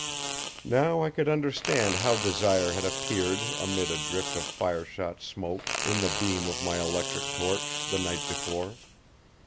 Now I could understand how Desire had appeared amid a drift of fireshot smoke in the beam of my electric torch, the night before.